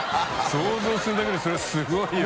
想像するだけで修譴すごいよ。